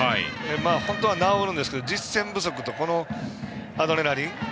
本当は治るんですけど実戦不足とアドレナリン。